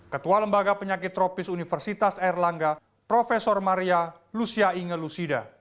ketua lembaga penyakit tropis universitas airlangga prof maria lucia inge lucida